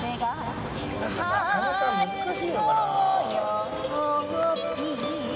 なかなか難しいのかなぁ。